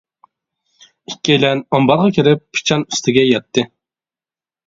ئىككىيلەن ئامبارغا كىرىپ پىچان ئۈستىگە ياتتى.